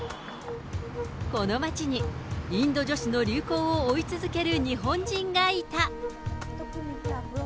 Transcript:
この街にインド女子の流行を追い続ける日本人がいた。